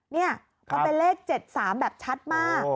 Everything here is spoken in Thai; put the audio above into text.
นี่มันเป็นเลข๗๓แบบชัดมาก